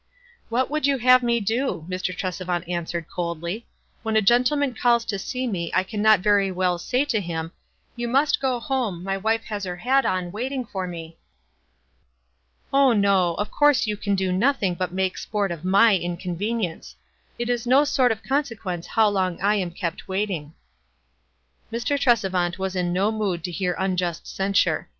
"What would you have me do?" Mr. Trese vant answered, coldly. "When a gentleman calls to see me I can not very well say to him, * You must go home ; my wife has her hat on, waiting for me.'" " Oh, no ; of course you can do nothing but make sport of my inconvenience. It is no sort of consequence how long I am kept waiting." Mr. Tresevant was in no mood to bear unjust censure.